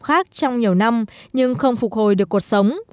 khác trong nhiều năm nhưng không phục hồi được cuộc sống